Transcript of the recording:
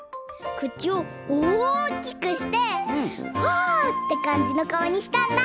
くちをおおきくしてあってかんじのかおにしたんだ！